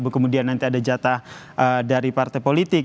kemudian nanti ada jatah dari partai politik